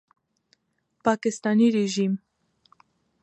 پاکستاني ریژیم